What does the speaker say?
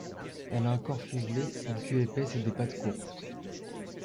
Elle a un corps fuselé, une queue épaisse et des pattes courtes.